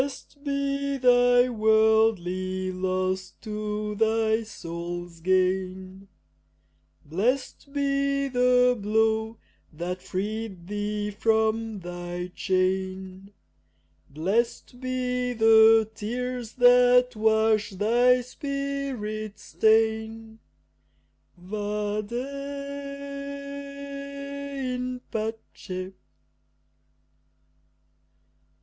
Blest be thy worldly loss to thy soul's gain, Blest be the blow that freed thee from thy chain, Blest be the tears that wash thy spirit's stain, Vade in pace!